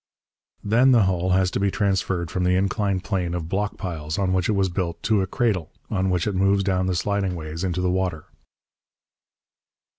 Then the hull has to be transferred from the inclined plane of block piles, on which it was built, to a cradle, on which it moves down the sliding ways into the water.